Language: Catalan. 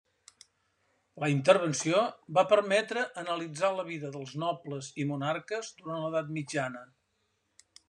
La intervenció va permetre analitzar la vida dels nobles i monarques durant l’Edat Mitjana.